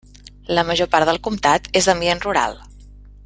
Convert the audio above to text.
La major part del comtat és d'ambient rural.